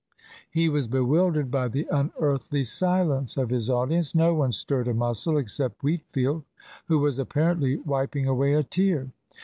He was bewildered by the unearthly silence of his audience. No one stirred a muscle except Wheatfield, who was apparently wiping away a tear.